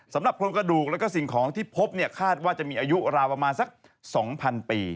สำหรับโครงกระดูกแล้วก็สิ่งของที่พบเนี่ยคาดว่าจะมีอายุราวประมาณสัก๒๐๐ปี